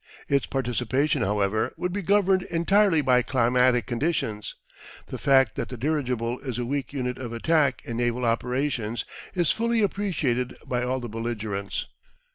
Its participation, however, would be governed entirely by climatic conditions. The fact that the dirigible is a weak unit of attack in naval operations is fully appreciated by all the belligerents.